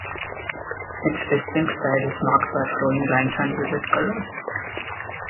Its distinct style is marked by flowing lines and vivid colors.